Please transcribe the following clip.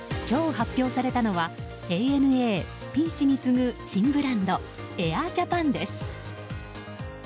今日発表されたのはＡＮＡ、ピーチに次ぐ新ブランドエアージャパンです。